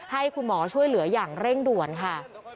ให้คุณหมอช่วยเหลืออย่างเร่งด่วนค่ะ